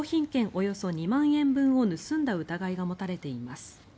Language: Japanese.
およそ２万円分を盗んだ疑いが持たれています。